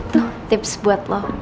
tuh tips buat lo